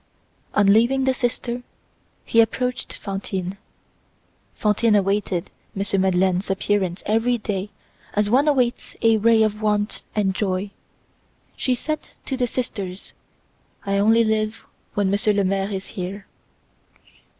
On leaving the sister, he approached Fantine. Fantine awaited M. Madeleine's appearance every day as one awaits a ray of warmth and joy. She said to the sisters, "I only live when Monsieur le Maire is here."